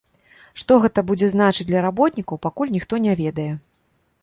Што гэта будзе значыць для работнікаў, пакуль ніхто не ведае.